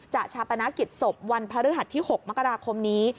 ชาปนกิจศพวันพฤหัสที่๖มกราคมนี้